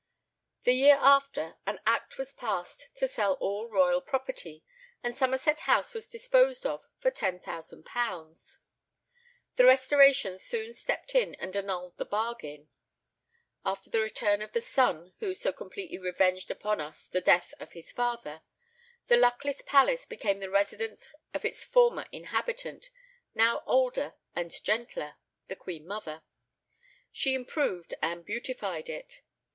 The year after, an Act was passed to sell all royal property, and Somerset House was disposed of for £10,000. The Restoration soon stepped in and annulled the bargain. After the return of the son who so completely revenged upon us the death of his father, the luckless palace became the residence of its former inhabitant, now older and gentler the queen mother. She improved and beautified it.